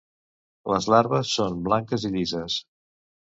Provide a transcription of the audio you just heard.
Les larves són blanques i llises.